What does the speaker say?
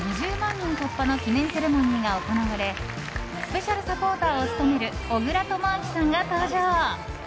人突破の記念セレモニーが行われスペシャルサポーターを務める小倉智昭さんが登場。